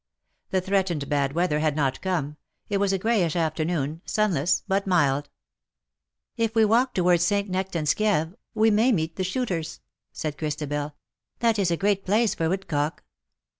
The threatened bad weather had not come : it was a greyish afternoon, sunless but mild. '^ If we walk towards St. Nectan^'s Kieve, we may meet the shooters,''^ said Christabel. ^^ That is a great place for woodcock.